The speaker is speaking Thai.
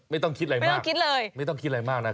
ไม่ต้องคิดอะไรมากไม่ต้องคิดเลยไม่ต้องคิดอะไรมากนะครับ